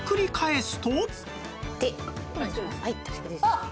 あっ！